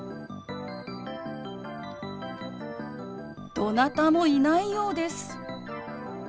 どなたもいないようです。